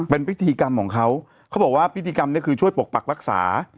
เป็นพิธีกรรมของเขาเขาบอกว่าพิธีกรรมนี้คือช่วยปกปักรักษา